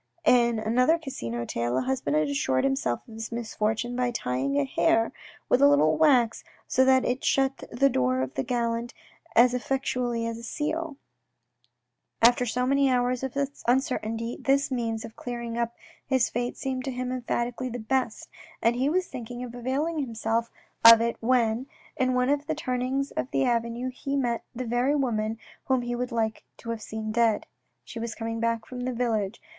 In another Casino tale a husband had assured himself of his misfortune by tying a hair with a little wax so that it shut the door of the gallant as effectually as a seal. After so many hours of uncertainty this means of clearing up his fate seemed to him emphatically the best, and he was DIALOGUE WITH A MASTER 133 thinking of availing himself of it when, in one of the turnings of the avenue he met the very woman whom he would like to have seen dead. She was coming back from the village.